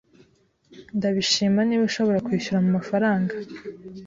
Ndabishima niba ushobora kwishyura mumafaranga.